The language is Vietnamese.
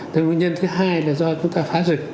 thì nguyên nhân thứ hai là do chúng ta phá rực